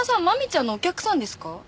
マミちゃんのお客さんですか？